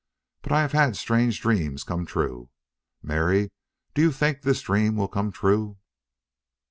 But I have had strange dreams come true.... Mary, do you think THIS dream will come true?"